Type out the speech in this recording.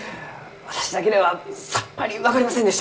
私だけではさっぱり分かりませんでした。